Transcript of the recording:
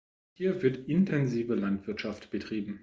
Hier wird intensive Landwirtschaft betrieben.